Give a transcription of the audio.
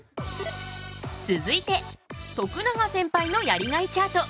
続いて徳永センパイのやりがいチャート。